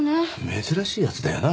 珍しいやつだよな